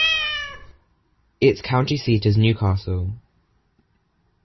Its county seat is Newcastle.